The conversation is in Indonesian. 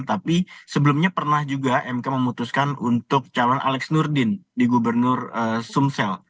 tapi sebelumnya pernah juga mk memutuskan untuk calon alex nurdin di gubernur sumsel